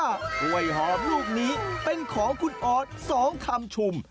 กล้วยหอมลูกนี้เป็นของคุณออสสองคำชุม